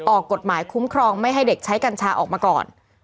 ออกกฎหมายคุ้มครองไม่ให้เด็กใช้กัญชาออกมาก่อน